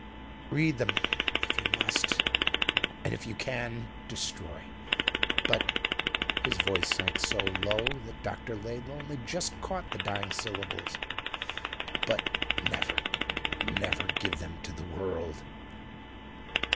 "Read them, if you must; and, if you can destroy. But" his voice sank so low that Dr. Laidlaw only just caught the dying syllables "but never, never give them to the world."